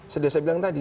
seperti saya bilang tadi